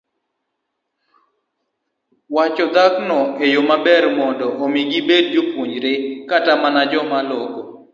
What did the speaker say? wacho dhokgo e yo maber mondo omi gibed jopuonj kata mana joma loko